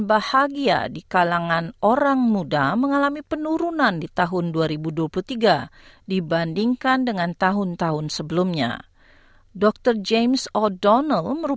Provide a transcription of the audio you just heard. berikut ini pernyataan menteri kesehatan mark butler